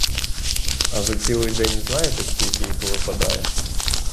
А за цілий день, знаєте, скільки їх випадає?